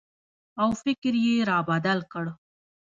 او فکر یې را بدل کړ